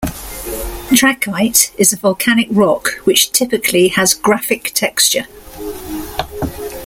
Trachyte is a volcanic rock which typically has graphic texture.